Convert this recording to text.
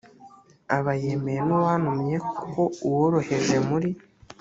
aba yemeye n uwantumye kuko uworoheje muri